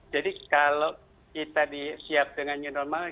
jadi kalau kita disiap dengan new normal